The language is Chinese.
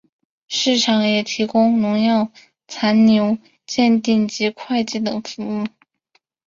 市场也提供农药残留检定及会计等的服务。